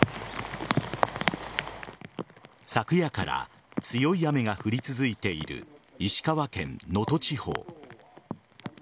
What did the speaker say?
昨夜から強い雨が降り続いている石川県能登地方。